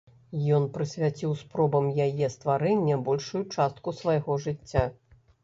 Ён прысвяціў спробам яе стварэння большую частку свайго жыцця.